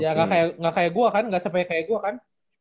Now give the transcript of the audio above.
ya gak kayak gue kan gak sepenuhnya kayak gue kan